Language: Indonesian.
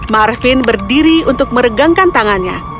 marvin berdiri untuk meregangkan tangannya